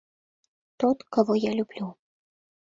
Тот, кого я люблю...